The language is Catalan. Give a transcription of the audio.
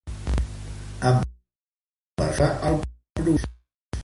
Amb els canvis s'arriba al progrés.